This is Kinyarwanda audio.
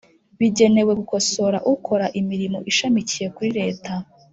Bigenewe gukosora ukora imirimo ishamikiye kuri leta